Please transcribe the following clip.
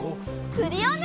クリオネ！